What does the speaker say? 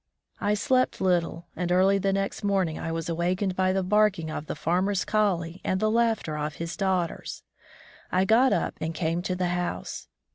I slept little, and early the next morning I was awakened by the barking of the farmer's collie and the laughter of his daughters. I got up and came to the house.